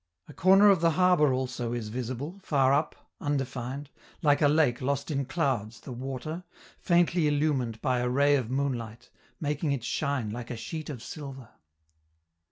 A corner of the harbor also is visible, far up, undefined, like a lake lost in clouds the water, faintly illumined by a ray of moonlight, making it shine like a sheet of silver.